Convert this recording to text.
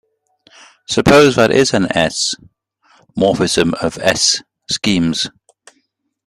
Suppose that is an "S"-morphism of "S"-schemes.